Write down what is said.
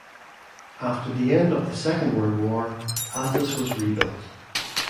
After the end of the Second World War, Atlas was rebuilt.